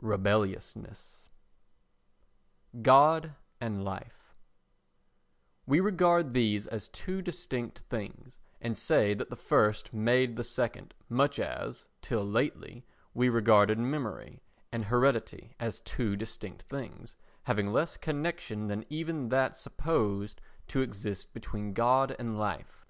XXI Rebelliousness God and Life WE regard these as two distinct things and say that the first made the second, much as, till lately, we regarded memory and heredity as two distinct things having less connection than even that supposed to exist between God and life.